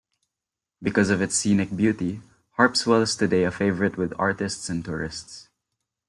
Because of its scenic beauty, Harpswell is today a favorite with artists and tourists.